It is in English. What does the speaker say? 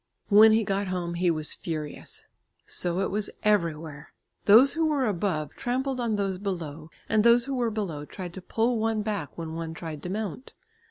When he got home he was furious. So it was everywhere. Those who were above trampled on those below, and those who were below tried to pull one back when one tried to mount.